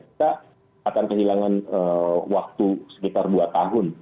kita akan kehilangan waktu sekitar dua tahun